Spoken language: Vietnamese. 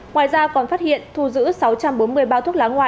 ngoài ra còn phát hiện thu giữ sáu trăm bốn mươi bao thuốc lá ngoại